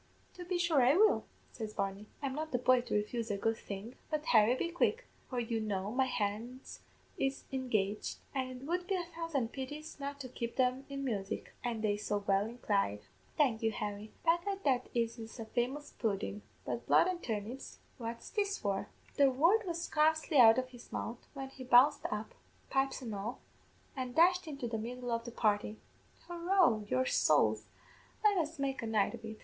"'To be sure I will,' says Barney. 'I'm not the boy to refuse a good thing; but, Harry, be quick, for you know my hands is engaged, an' it would be a thousand pities not to keep them in music, an' they so well inclined. Thank you, Harry; begad that is a famous pudden; but blood an' turnips, what's this for?' "The word was scarcely out of his mouth when he bounced up, pipes an' all, an' dashed into the middle of the party. 'Hurroo, your sowls, let us make a night of it!